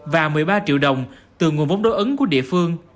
và một mươi ba triệu đồng từ nguồn vốn đối ứng của địa phương